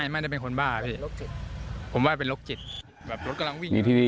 ไม่ได้เป็นคนบ้าเป็นลกจิต